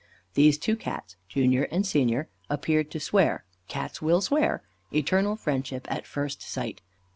These two Cats, Junior and Senior, appeared to swear (Cats will swear) eternal friendship at first sight.